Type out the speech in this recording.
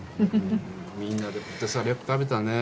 みんなでポテサラよく食べたね。